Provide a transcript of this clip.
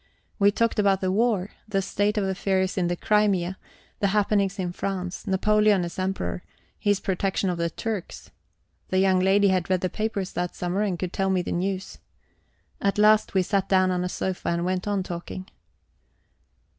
We talked about the war, the state of affairs in the Crimea, the happenings in France, Napoleon as Emperor, his protection of the Turks; the young lady had read the papers that summer, and could tell me the news. At last we sat down on a sofa and went on talking.